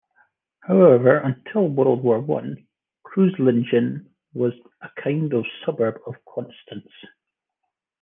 However, until World War One, Kreuzlingen was a kind of suburb of Constance.